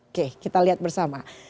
oke kita lihat bersama